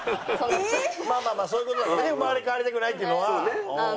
まあそういう事だからね生まれ変わりたくないっていうのは。